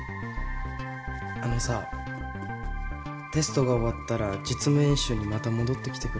あのさテストが終わったら実務演習にまた戻ってきてくれ。